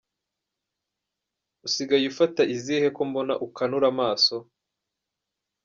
usigaye ufata izihe kombona ukanura amaso???? .